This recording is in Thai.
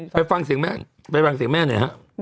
ไปฟังสิ่งแม่ไปฟังสิ่งแม่หน่อยครับ